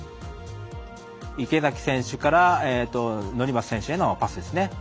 池崎選手から乗松選手へのパスですね。